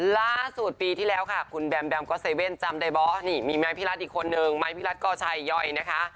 ล่าสุดปีที่แล้วค่ะคุณแบมแบมก็เซเว่นจำได้บะนี่มีไม้พี่รัฐอีกคนนึงไม้พี่รัฐกอชัยย่อยนะคะ